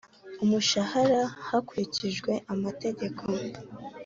umushahara hakurikijwe amategeko